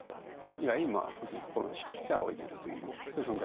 以来本当に心の師として仰いでいるというそういう存在ですね。